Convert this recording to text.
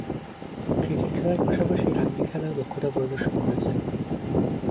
Cricket খেলার পাশাপাশি rugby খেলায়ও দক্ষতা প্রদর্শন করেছেন।